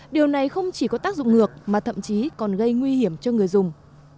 điều này không chỉ có tác dụng ngược mà thậm chí còn gây nguy hiểm cho người dùng